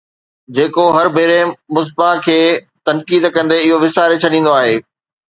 جيڪو هر ڀيري مصباح تي تنقيد ڪندي اهو وساري ڇڏيندو آهي